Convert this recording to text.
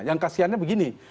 yang kasihannya begini